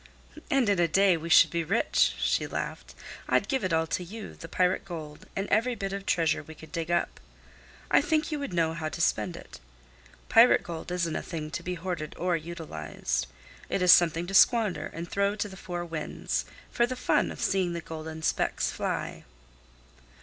"And in a day we should be rich!" she laughed. "I'd give it all to you, the pirate gold and every bit of treasure we could dig up. I think you would know how to spend it. Pirate gold isn't a thing to be hoarded or utilized. It is something to squander and throw to the four winds, for the fun of seeing the golden specks fly."